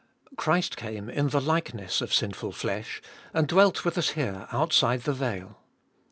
Christ came in the likeness of sinful flesh, and dwelt with us here outside the veil.